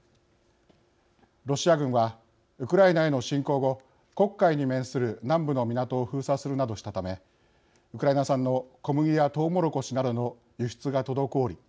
ロシア軍はウクライナへの侵攻後黒海に面する南部の港を封鎖するなどしたためウクライナ産の小麦やトウモロコシなどの輸出が滞り